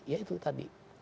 ya itu tadi